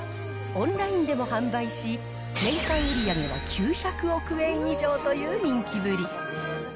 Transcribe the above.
オンラインでも販売し、年間売り上げは９００億円以上という人気ぶり。